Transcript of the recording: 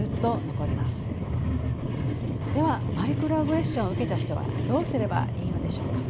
ではマイクロアグレッションを受けた人はどうすればいいのでしょうか。